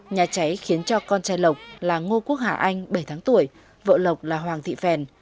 nhà cháy khiến cho con trai lộc là ngô quốc hà anh bảy tháng tuổi vợ lộc là hoàng thị phèn